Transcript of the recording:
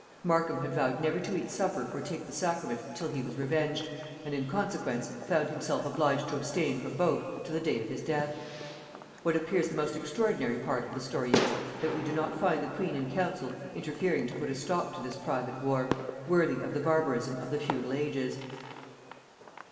Markham had vowed never to eat supper or take the sacrament till he was revenged, and in consequence found himself obliged to abstain from both to the day of his death. What appears the most extraordinary part of the story is, that we do not find the queen and council interfering to put a stop to this private war, worthy of the barbarism of the feudal ages.